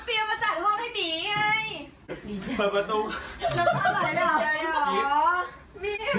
ก็เตรียมมาจัดห้องให้หนีเฮ้ย